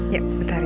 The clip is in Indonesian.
ya bentar ya